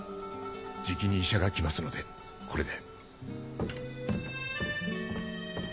じきに医者が来ますのでこれで。